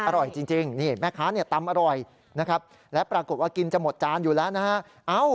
อร่อยจริงแม่ค้าตำอร่อยแล้วปรากฏว่ากินจะหมดจานอยู่แล้ว